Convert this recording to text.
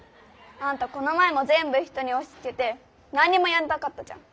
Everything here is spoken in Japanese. あんたこの前もぜんぶ人におしつけてなんにもやらなかったじゃん。